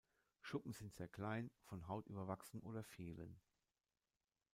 Schuppen sind sehr klein, von Haut überwachsen oder fehlen.